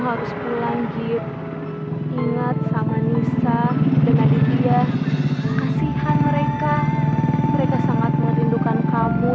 harus pulang gitu ingat sama nisa dengan dia kasihan mereka mereka sangat merindukan kamu